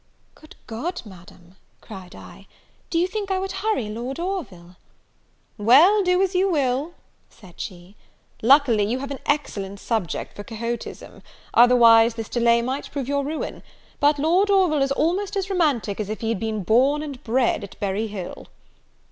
"Good God, Madam," cried I, "do you think I would hurry Lord Orville?" "Well, do as you will," said she, "luckily you have an excellent subject for Quixotism; otherwise this delay might prove your ruin; but Lord Orville is almost as romantic as if he had been born and bred at Berry Hill."